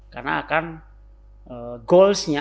karena akan goalsnya